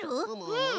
うん。